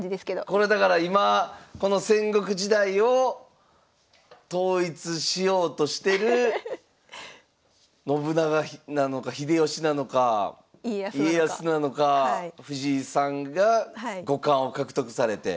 これだから今この戦国時代を統一しようとしてる信長なのか秀吉なのか家康なのか藤井さんが五冠を獲得されて。